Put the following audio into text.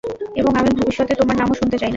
এবং আমি ভবিষ্যতে তোমার নামও শুনতে চাই না।